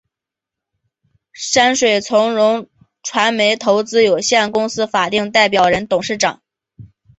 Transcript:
山水从容传媒投资有限公司法定代表人、董事长